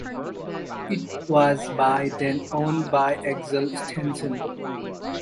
It was by then owned by Axel Steensen.